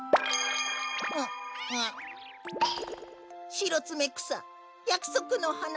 シロツメクサやくそくのはな。